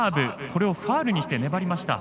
これをファウルにして粘りました。